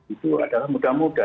itu adalah muda muda